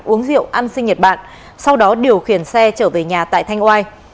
uống rượu ăn xin nhật bạn sau đó điều khiển xe trở về nhà tại thanh ngoài